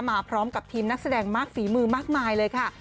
มาพร้อมกับทีมนักแสดงมากฝีมือมากมายเลยค่ะ